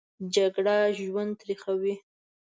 جګړه ژوند تریخوي